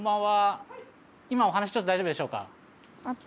今お話ちょっと大丈夫でしょうか？